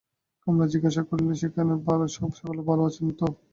কমলা জিজ্ঞাসা করিল, সেখানে সকলে ভালো আছেন তো?